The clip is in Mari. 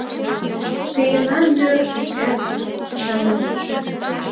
Тыйынат дыр ÿпет чалемеш